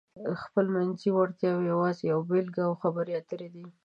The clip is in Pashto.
د خپلمنځي وړتیاو یوازې یوه بېلګه خبرې اترې دي.